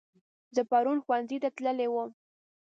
زه پرون ښوونځي ته تللی وم